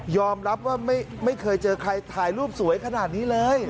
รับว่าไม่เคยเจอใครถ่ายรูปสวยขนาดนี้เลย